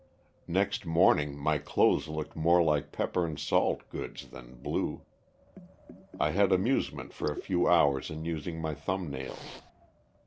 Next morning my clothes looked more like pepper and salt goods than blue. I had amusement for a few hours in using my thumb nails.